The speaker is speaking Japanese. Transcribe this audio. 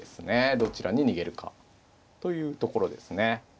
どちらに逃げるかというところですね。